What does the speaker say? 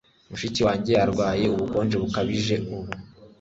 Mushiki wanjye arwaye ubukonje bukabije ubu